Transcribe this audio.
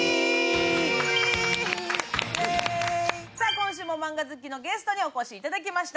今週もマンガ好きのゲストにお越しいただきました。